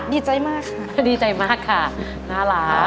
ดีใจมากค่ะดีใจมากค่ะน่ารัก